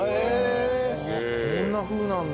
こんなふうなんだ。